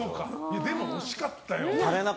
でも、惜しかったよ。